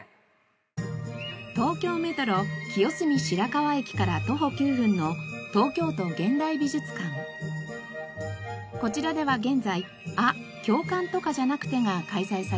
東京メトロ清澄白河駅から徒歩９分のこちらでは現在「あ、共感とかじゃなくて。」が開催されています。